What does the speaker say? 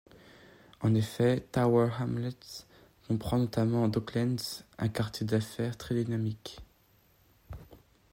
En effet, Tower Hamlets comprend notamment Docklands, un quartier d'affaires très dynamique.